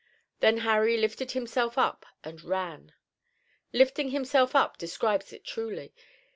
Then Harry lifted himself up and ran. Lifting himself up describes it truly.